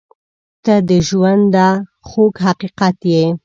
• ته د ژونده خوږ حقیقت یې.